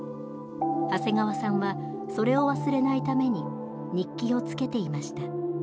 長谷川さんはそれを忘れないために日記をつけていました。